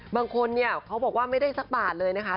บางคนเนี่ยเขาบอกว่าไม่ได้สักบาทเลยนะคะ